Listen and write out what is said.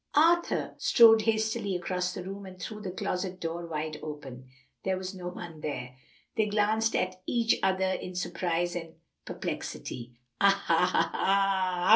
Arthur strode hastily across the room and threw the closet door wide open. There was no one there. They glanced at each other in surprise and perplexity. "Ah, ha, ah, ha!